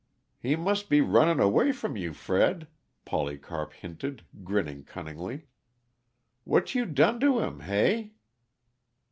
"He must be runnin' away from you, Fred," Polycarp hinted, grinning cunningly. "What you done to him hey?"